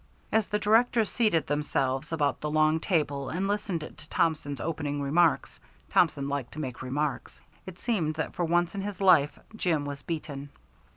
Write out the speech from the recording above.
As the directors seated themselves about the long table and listened to Thompson's opening remarks, Thompson liked to make remarks, it seemed that for once in his life Jim was beaten.